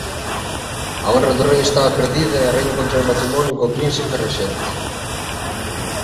A honra do rei estaba perdida e a raíña contraeu matrimonio co príncipe Rexente.